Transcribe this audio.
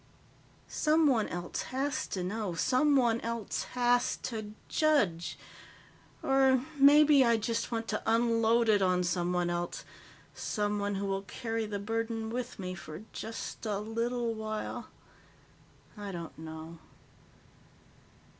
Someone else has to know. Someone else has to judge. Or maybe I just want to unload it on someone else, someone who will carry the burden with me for just a little while. I don't know."